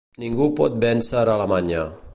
Ningú pot vèncer Alemanya.